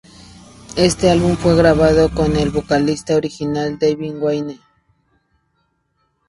Este álbum fue grabado con el vocalista original, David Wayne.